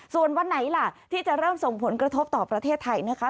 ส่วนวันไหนล่ะที่จะเริ่มส่งผลกระทบต่อประเทศไทยนะคะ